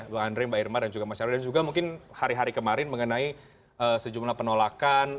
mbak andre mbak irma dan juga mas nyarwi dan juga mungkin hari hari kemarin mengenai sejumlah penolakan